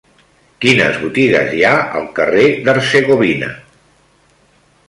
Quines botigues hi ha al carrer d'Hercegovina?